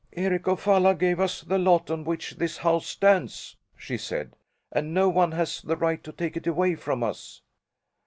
"Eric of Falla gave us the lot on which this house stands," she said, "and no one has the right to take it away from us!"